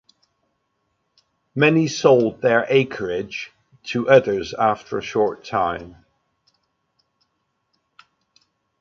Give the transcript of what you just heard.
Many sold their acreage to others after a short time.